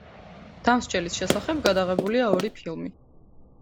დამსჯელის შესახებ გადაღებულია ორი ფილმი.